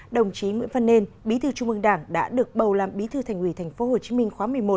đồng chí nguyễn văn nên bí thư trung ương đảng đã được bầu làm bí thư thành ủy tp hcm khóa một mươi một